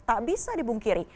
tak bisa dibungkiri